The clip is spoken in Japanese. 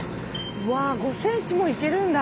うわ５ｃｍもいけるんだ。